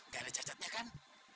gak ada cacatnya kan